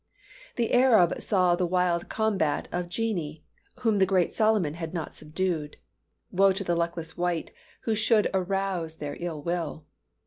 The Arab saw the wild combat of genii, whom the great Solomon had not subdued. Woe to the luckless wight who should arouse their ill will!